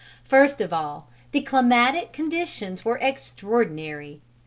First of all, the climatic conditions were extraordinary.